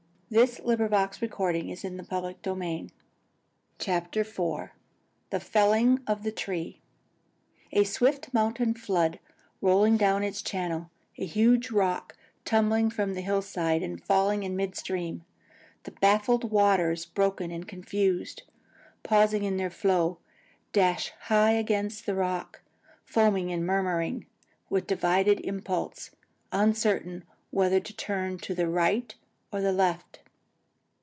[Illustration Then Winfried told the story of Bethlehem] IV THE FELLING OF THE TREE IV A swift mountain flood rolling down its channel; a huge rock tumbling from the hill side and falling in mid stream; the baffled waters broken and confused, pausing in their flow, dash high against the rock, foaming and murmuring, with divided impulse, uncertain whether to turn to the right or the left.